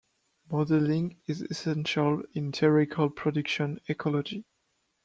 Modelling is essential in theoretical production ecology.